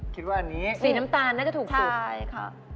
คิดว่าอันนี้สีน้ำตาลน่าจะถูกสุดใช่ค่ะ